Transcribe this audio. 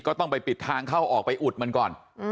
ก็ต้องไปปิดทางเข้าออกไปอุดมันก่อน